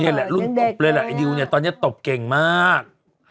นี่แหละรุ่นตบเลยอะไอดิวตอนนี้ตบเก่งมาก